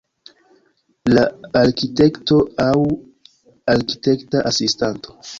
La arkitekto, aŭ arkitekta asistanto.